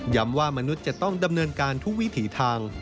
ว่ามนุษย์จะต้องดำเนินการทุกวิถีทาง